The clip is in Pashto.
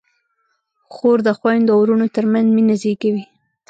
خور د خویندو او وروڼو ترمنځ مینه زېږوي.